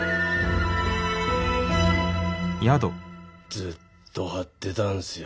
ずっと張ってたんすよ。